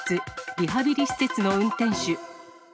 リハビリ施設の運転手。